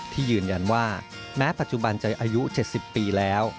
ที่ยืนยันว่าแม้ปัจจุบันจะอายุ๗๐ปีแล้ว